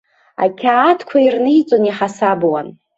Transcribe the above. Ақьаадқәа ирниҵон, иҳасабуан.